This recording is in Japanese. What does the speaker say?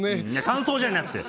感想じゃなくて！